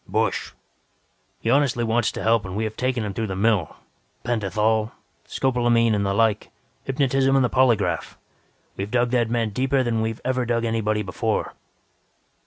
"Busch! He honestly wants to help and we have taken him through the mill. Pentathol, scopolamine and the like; hypnotism and the polygraph. We've dug that man deeper than we have ever dug anybody before."